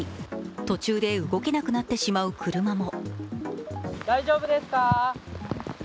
途中で動けなくなってしまう車も。